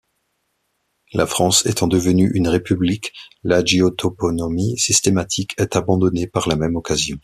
La France étant devenue une République, l'hagiotoponymie systématique est abandonnée par la même occasion.